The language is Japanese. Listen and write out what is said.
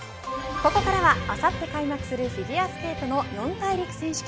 ここからはあさって開幕するフィギュアスケートの四大陸選手権。